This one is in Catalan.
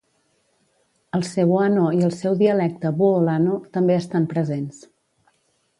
El cebuano i el seu dialecte boholano també estan presents.